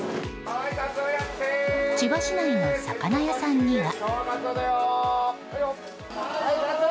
千葉市内の魚屋さんには。